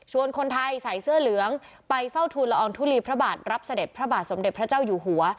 คนไทยใส่เสื้อเหลืองไปเฝ้าทูลละอองทุลีพระบาทรับเสด็จพระบาทสมเด็จพระเจ้าอยู่หัว